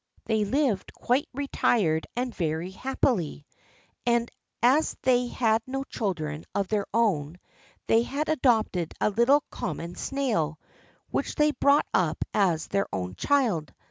They lived quite retired and very happily; and as they had no children of their own, they had adopted a little common snail, which they brought up as their own child.